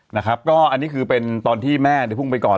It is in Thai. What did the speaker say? นะครับก็อันนี้คือเป็นตอนที่แม่เนี่ยพุ่งไปก่อน